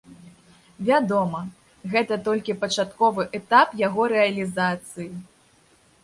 Вядома, гэта толькі пачатковы этап яго рэалізацыі.